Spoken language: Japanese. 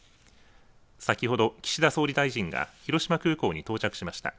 先ほど岸田総理大臣が広島空港に到着しました。